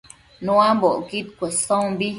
Nuambocquid cuesombi